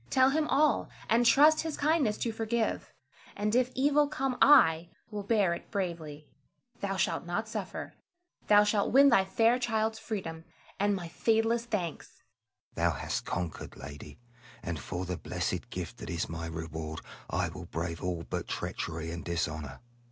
Tell him all, and trust his kindness to forgive; and if evil come I will bear it bravely, thou shalt not suffer. Thou shalt win thy fair child's freedom, and my fadeless thanks. Selim. Thou hast conquered, lady; and for the blessed gift that is my reward, I will brave all but treachery and dishonor.